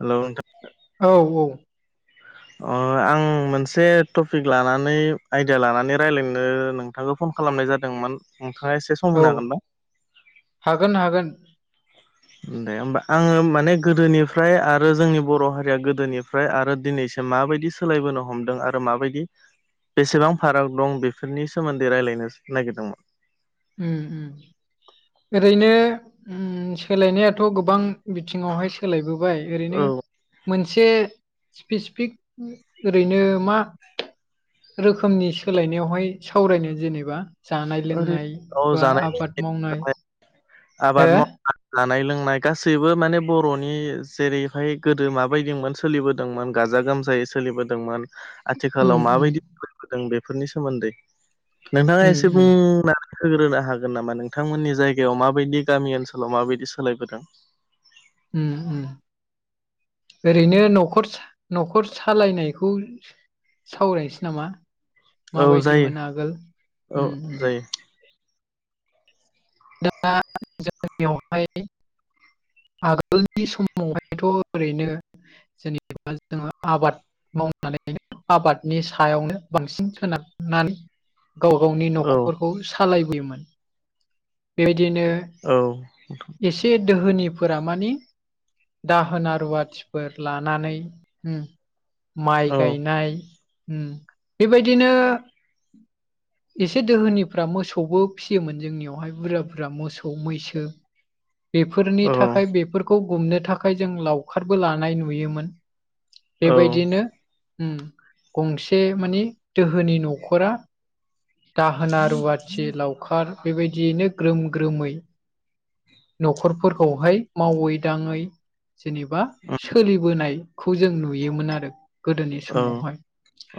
हेल नोंथां? औ औ। अ आं मोनसे टपिक लानानै आइडिया लानानै रायलायनो नों थांखौ फन खालामनाय जादोंमोन नोंथाङा एसे सम औ होनो हागोन ना? हागोन हागोन। दे होमबा आङो माने गोदोनिफ्राय आरो जोंनि बर' हारिया गोदोनिफ्राय आरो दिनैसिम माबायदि सा सोलायबोनो हमदों आरो माबायदि बेसेबां फाराग दं बेफोरनि सोमोन्दै रायलायनो नागिरदोंमोन। उम उम। ओरैनो उम सोलायनायाथ' गोबां बिथिङाव हाय सोलायबोबाय ओरैनो औ मोनसे स्पेसिफिक ओरैनो मा रोखोमनि सोलायनायावहाय सावरायनो जेनेबा जानाय ओरै लोंनाय औ बा जानाय आबाद मावनाय लोंनाय [unintelligible] आबाद हो मावनाय जानाय लोंनाय गासैबो माने बर'नि जेरैहाय गोदो माबायदिमोन सोलिबोदोंमोन गाजा गोमजायै सोलिबोदोंमोन। आथिखालाव उम उम माबायदि बोदों बेफोरनि सोमोन्दै नोंथाङा उम एसे उम बुंना होग्रोनो हागोन नामा नोंथांमोननि जायगायाव माबायदि गामि ओनसोलाव माबायदि सोलायबोदों? उम उम। ओरैनो न'खर न'खर सालायनायखौ सावरायनोसै नामा? औ माबायदि जायो मोनो आगोल औ उम उम जायो दा जोंनियाव हाय आगोलनि समावहायथ' ओरैनो जेनेबा जोङो आबाद मावनानैनो आबादनि सायावनो बांसिन सोनारनानै गाव गावनि औ न'खरफोरखौ सालायबोयोमोन। बेबायदिनो औ। एसे दोहोनिफोरा मानि दाहोना रुवाथिफोर लानानै उम माइ औ गायनाय उम बेबायदिनो एसे दोहोनिफ्रा मोसौबो फिसियोमोन जोंनियाव हाय। बुरजा बुरजा मोसौ मैसो बेफोरनि औ थाखाय बेफोर खौ गुमनो थाखाय जों लावखारबो लानाय नुयोमोन। बेबायदिनो उम गंसे मानि दोहोनि न'खरा दाहोना रुवाथि लावखार बेबायदियैनो ग्रोम ग्रोमै न'खरफोरखौहाय मावै दाङै जेनेबा सोलिबोनायखौ जों नुयोमोन आरो। गोदोनि औ समावहाय।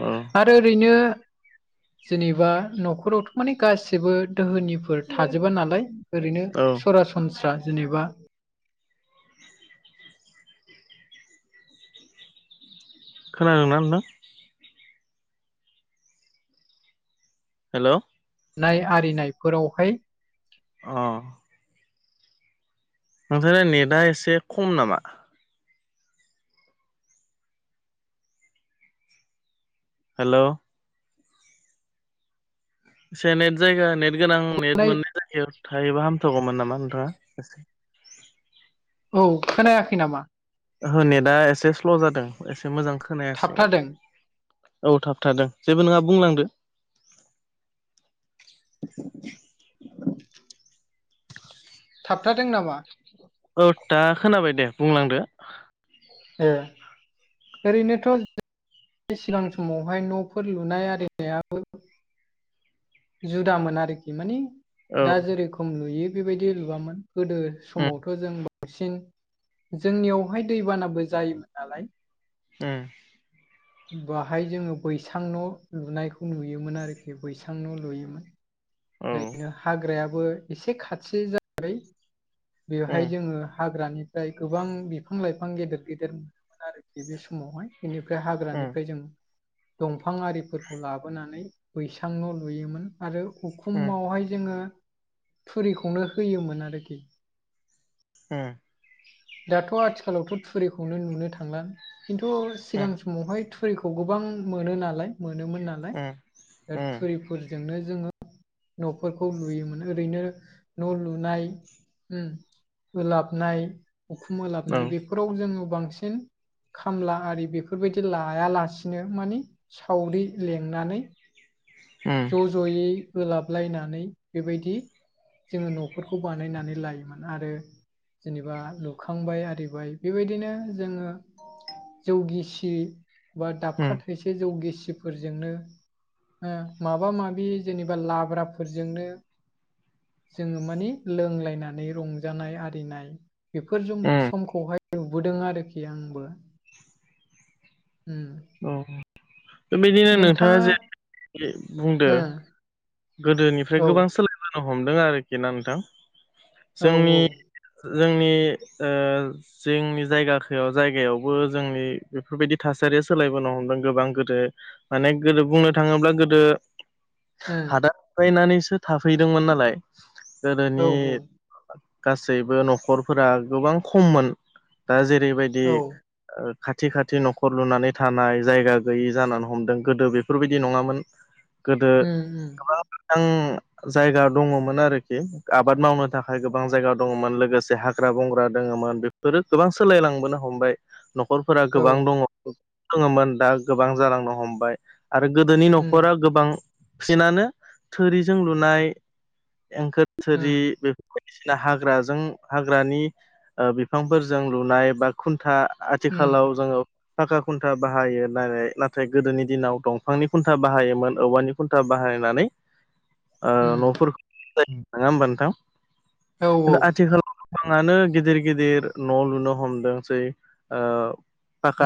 औ आरो ओरैनो जोंनि बा न'खरावथ' माने गासिबो दोहोनिफोर थाजोबा नालाय ओरैनो औ सारा सनस्रा जेनेबा खोनादोंना नोंथां? हेलौ नाय आरिनायफोराव हाय अ नोंथोरा नेटआ एसे खम नामा? हेलौ एसे नेट जायगा नेट गोनां नेट नाय मोननाय जायगायाव थायोबा हामथगौमोन नामा नोंथाङा ए औ खोनायाखै नामा? ओहो नेट दा एसे स्ल' जादों एसे मोजां खोनायासै मोन। थाबथादों औ थाब थादों जेबो नङा बुंलांदो। थाबथादों नामा? औ दा खोनाबाय दे बुंलांदो ओ ओरैनोथ' सिगां समावहाय न'फोर लुनाय आरिनायाबो जुदामोन आरोखि माने औ दा जेरोखम लुयो बेबायदि लुवामोन गोदो उम समावथ' जों बांसिन जोंनियावहाय दैबानाबो जायोमोन नालाय उम बाहाय जोङो बैसां न' लुनायखौ नुयोमोन आरोखि बैसां न' लुयोमोन औ उम ओरैनो हाग्रायाबो एसे खाथि जाबाय उम बेवहाय जोङो हाग्रानिफ्राय गोबां बिफां लाइफां गेदेर गेदेर आरोखि बे समावहाय बेनिफ्राय उम हाग्रानिफ्राय जों दंफां आरिफोरखौ लाबोनानै बैसांल' लुयोमोन आरो उखुमावहाय जोङो फुरिखौनो होयोमोन आरोखि उम दाथ' आथिखालावथ' थुरिखौनो नुनो थांला खिन्थु उम औ सिगां सम मावहाय थुरिखौ गोबां मोनो नालाय मोनोमोन नालाय ओ थुरि फोरजोंनो जोङो न'फोरखौ लुयोमोन ओरैनो न' लुनाय उम ओलाबनाय उखुमओलाबनाय बेफोराव जोङो बांसिन खामला आरि बेफोरबायदि लायालासिनो माने सावरि लिंनानै उम ज'यै ओलाबलायनानै बेबायदि जोङो न'फोरखौ बानायनानै लायोमोन आरो जेनेबा लुखांबाय आरिबाय बेबायदिनो जोङो जौगिसि बा उम दाबखसे जौगेसिफोरजोंनो हो माबा माबि जेनेबा लाब्राफोरजोंनो जोङो मानि लोंलायनानै रंजानाय आरिनाय बेफोर उम जम-समखौहाय नुबोदों आरोखि आंबो हम औ बेबायदिनो नोंथाङा जेरै बुंदों गोदोनिफ्राय ओ गोबां सोलायबोनो हमदों आरोखि ना नोंथां औ जोंनि औ जोंनि ओ जोंनि जायगाखौ जायगायावबो जोंनि बेफोरबायदि थासारि सोलायबोनो हमदों गोबां गोदो माने गोदो बुंनो थाङोब्ला गोदो हादान नानैसो थाफैदोंमोन नालाय गोदोनि ओ गासैबो न'खरफोरा गोबां खममोन दा औ जेरैबायदि औ ओ खाथि खाथि न'खर लुनानै थानाय जायगा गैयि जानानै हमदों गोदो बेफोरबायदि नङामोन गोदो उम उम गोबां मोजां जायगा दङमोन आरोखि आबाद मावनो थाखाय गोबां जायगा दङमोन लोगोसे हाग्रा बंग्रा दङमोन बे फोरो गोबां सोलायलांबोनो हमबाय न'खरफोरा औ गोबां दङ दोङोमोन दा गोबां जालांनो हमबाय आरो गोदोनि उम न'खरा गोबां फिनानो थोरिजों लुनाय एंखोर उम थोरि बे बायदिसिना हाग्राजों हाग्रानि ओ बिफांफोरजों लुनाय बा खुन्था आथिखालाव उम जोङो थाखा खुन्था बाहायो नालाय नाथाय गोदोनि दिनाव दंफांनि खुन्था बाहायोमोन औवानि खुन्था बाहायनानै ओ उम न'फोर [inaudible] नङा होमबा नोंथां औ खिन्थु आथिखालाव गोबांङानो गिदिर गिदिर न' लुनो हमदोंसै ओ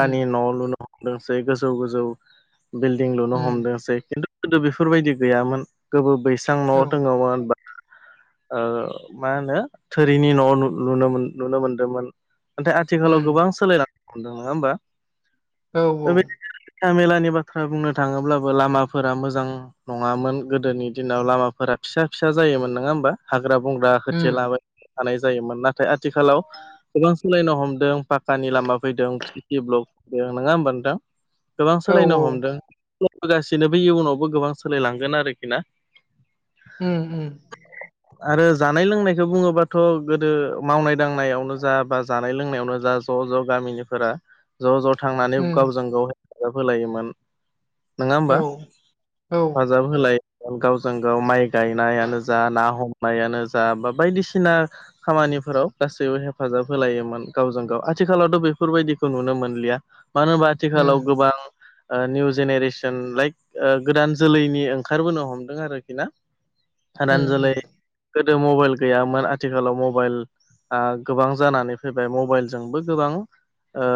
उम न' लुनो हमदोंसै गोजौ गोजौ बिल्डिं लुनो उम हमदोंसै खिन्थु गोदो बेफोरबायदि गैयामोन गोबो बैसां न' औ दङोमोन बा ओ मा होनो थोरिनि न'लुनो नुन मोनदोंमोन नाथाय आथिखालाव उम गोबां सोलायनो हदों नङा होमबा औ औ बे हान्था मेलानि बाथ्रा बुंनो थाङोब्लाबो लामाफोरा मोजां नङामोन गोदोनि दिनाव लामाफोरा फिसा फिसा जायोमोन नङा होमबा हाग्रा बंग्रा उम होथेलाबाय थानाय जायोमोन नाथाय आथिखालाव गोबां सोलायनो हमदों पाकानि लामा फैदों [unintelligible] ब्लक नङा होमबा नोंथां गोबां औ सोलायनो हमदों होगासिनो बे इयुनावबो गोबां सोलायलांगोन आरोखि ना ओम ओम [unintelligible] आरो जानाय लोंनायखौ बुङोबाथ' गोदो मावनाय दांनायावनो जा बा जानाय लोंनायावनो जा ज' ज' गामिनिफोरा ज' ज' थांनानै उम गावजों गाव हेफाजाब होलायोमोन नोङा होमबा औ औ [unintelligible] [unintelligible] होलाय गावजों गाव माइ गायनायानो जा ना हमनायानो जा बा बायदिसिना खामानिफोराव गासैबो हेफाजाब होलायोमोन गावजों गाव आथिखालावथ' बेफोरबायदिखौ नुनो मोनलिया मानो होनबा आथिखालाव उम गोबां ओ निउ जेनेरेसन लाइक ओ गोदान जोलैनि ओंखारबोनो हमदों आरोखि ना उम हादान जोलै गोदो मबाइल गैयामोन आथिखालाव मबाइल ओ गोबां जानानै फैबाय मबाइलजोंबो गोबां ओ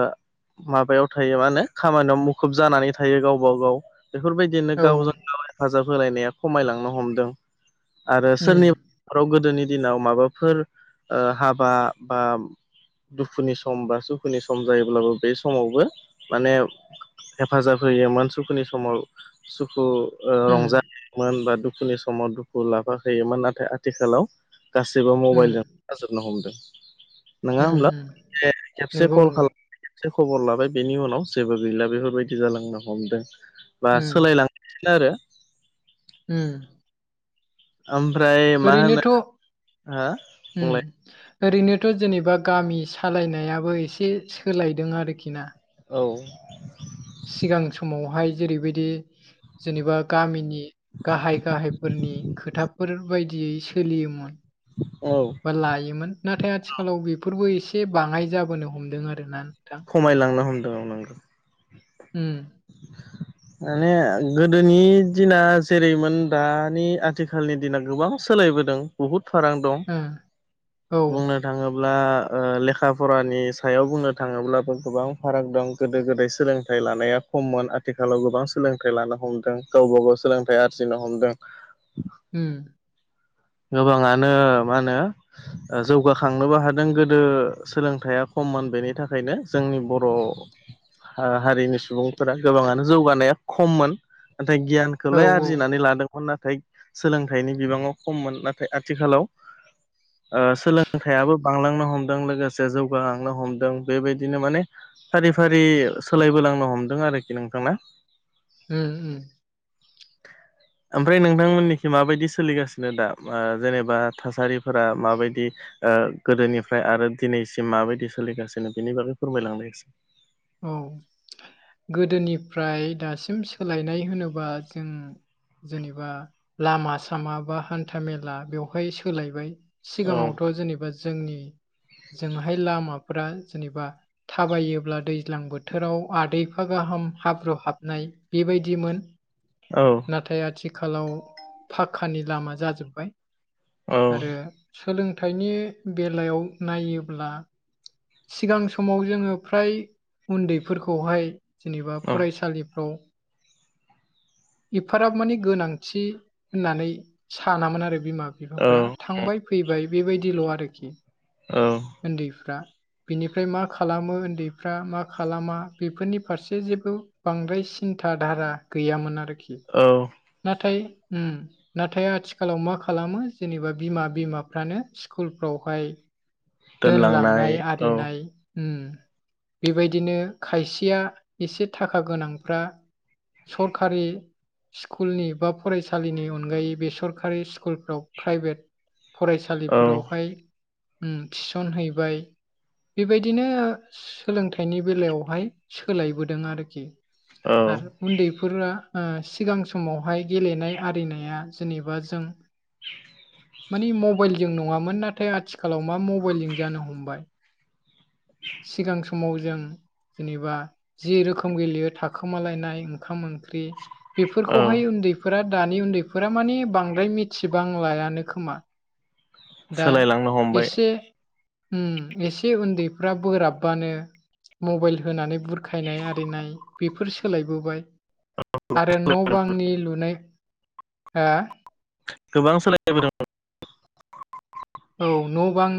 माबायाव थायो मा होनो खामानियाव मुखुब जानानै थायो गावबा गाव बेफोरबायदिनो औ गावजों [inaudible] हेफाजाब होलायनाया खमायलांनो हमदों आरो उम सोरनि आरो गोदोनि दिनाव माबाफोर ओ हाबा बा दुखुनि सम बा सुखुनि सम जायोब्लाबो बे समावबो माने हेफाजाब होयोमोन सुखुनि समाव सुखु ओ उम रंजायोमोन बा दुखुनि समाव दुखु लाफाखैयोमोन नाथाय आथिखालाव गासैबो उम मबाइलजों जाजोबनो हमदों नङा होमब्ला उम [inaudible] खेबसे नंगौ कल नंगौ खालाम खेबसे खबर लाबाय बेनि उनाव जेबो गैला बेफोरबायदि जालांनो हमदों बा उम सोलायलां नो आरो होम ओमफ्राय मा होनो हा बुंलाय होम ओरैनोथ' जेनेबा गामि सालायनायाबो एसे सोलायदों आरोखि ना औ सिगां समावहाय जेरैबायदि जेनेबा गामिनि गाहाय गाहायफोरनि खोथाफोर बायदियै सोलियोमोन औ बा लायोमोन नाथाय आथिखालाव बेफोरबो एसे बाङाय जाबोनो हमदों आरो ना नोंथां खमायलांनो हमदों औ नंगौ ओम [unintelligible] माने गोदोनि दिना जेरैमोन दानि आथिखालनि दिना गोबां सोलायबोदों बहुद फारां दं ओ बुंनो औ बुंनो थाङोब्ला लेखा फरानि सायाव बुंनो थाङोब्लाबो गोबां फाराग दं गोदो गोदाय सोलोंथाइ लानाया खममोन आथिखालाव गोबां सोलोंथाइ लानो हमदों गावबा गाव सोलोंथाइ आरजिनो हमदों ओम गोबाङानो मा होनो ओ जौगाखांनोबो हादों गोदो सोलोंथाइया खममोन बेनि थाखायनो जोंनि बर' हा-हारिनि सुबुंफोरा गोबाङानो जौगानाया खममोन नाथाय औ गियानखौलाय आरजिनानै लादोंमोन नाथाय सोलोंथाइनि बिबाङाव खममोन नाथाय आथिखालाव सोलोंथाइयाबो बांलांनो हमदों लोगोसे जौगाहांनो हमदों बेबायदिनो माने फारि फारि सोलायबो लांनो हमदों आरोखि नोंथांा उम उम ओमफ्राय नोंथांमोननिखि माबायदि सोलिगासिनो बिनो दा जेनेबा थासारिफोरा माबायदि ओ गोदोनिफ्राय आरो दिनैसिम माबायदि सोलिगासिनो बेनि बागै फोरमाय लांलाय एसे औ गोदोनिफ्राय दासिम सोलायनाय होनोब्ला जों जेनेबा लामा सामा बा हान्था मेला बेवहाय सोलायबाय औ सिगाङावथ' जेनेबा जोंनि जोंहाय लामाफोरा जेनेबा थाबायोब्ला दै दैज्लां बोथोराव आदैफा गाहाम हाब्रु हाबनाय बेबायदिमोन औ नाथाय आथिखालाव फाखक्कानि लामा जाजोब्बाय औ आरो सोलोंथाइनि बेलायाव नायोब्ला सिगां समाव जोङो फ्राय उन्दैफोरखौहाय जेनेबा फरायसालिफ्राव एफाराब माने गोनांथि होननानै सानामोन आरो बिमा औ बिफाफ्रा थांबाय फैबाय बेबायदिल' आरोखि औ उन्दैफ्रा बिनिफ्राय मा खालामो उन्दैफ्रा मा खालामा बेफोरनि फारसे जेबो बांद्राय सिन्था धारा गैयामोन आरोखि औ नाथाय नाथाय आथिखालाव मा खालामो जेनेबा बिमा बिमाफ्रानो स्कुलफ्रावहाय दोनलांनाय आरिनाय उम बेबायदिनो खायसेया एसे थाखा गोनांफ्रा सरखारि स्कुलनि बा फरायसालिनि अनगायै बे सरकारि स्कुलफ्राव प्राइभेट औ फरायसालिफोरावहाय थिसन हैैबाय बेबायदिनो सोलोंथाइनि बेलायावहाय सोलायबोदों आरोखि औ आरो उन्दैफोरा सिगां समावहाय गेलेनाय आरिनाया जेनेबा जों मानि मबाइल जों नङामोन नाथाय आथिखालाव मा मबाइ बयलिं जानो हमबाय सिगां समाव जों जेनेबा जि रोखोम गेलेयो थाखोमालायनाय ओंखाम ओंख्रि औ बेफोरखौहाय उन्दैफोरा दानि उन्दैफोरा माने बांद्राय मिथिबांलायानो खोमा दा सोलायलांनो हमबाय एसे उम एसे उन्दैफ्रा बोराबबानो मबाइल होनानै बुरखायनाय आरिनाय बेफोर सोलायबोबाय आरो न' बांनि लुनाय गोबां सोलाय औ न' बां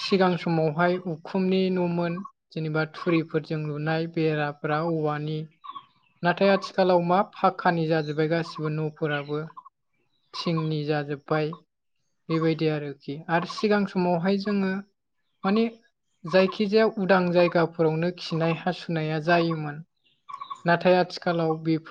सिगां समावहाय उखुमनि न'मोन जेनेबा थुरिफोरजों लुनाय बेराफोरा औवानि नाथाय आथिखालाव मा फाखकानि जाजोब्बाय गासिबो न'फोराबो थिंनि जाजोब्बाय बेबायदि आरोखि आरो सिगां समावहाय जोङो माने जायखिजाया उदां जायगाफोरावनो खिनाय हासुनाया जायोमोन नाथाय आथिखालाव बेफोर